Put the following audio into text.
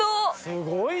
すごい。